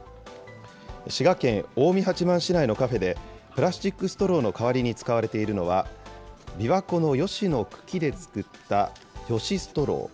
滋賀県近江八幡市内のカフェで、プラスチックストローの代わりに使われているのは、びわ湖のヨシの茎で作ったヨシストロー。